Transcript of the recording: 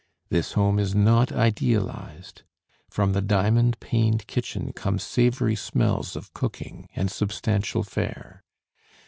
This home is not idealized. From the diamond paned kitchen come savory smells of cooking and substantial fare.